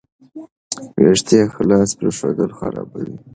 ویښتې خلاص پریښودل خرابوي.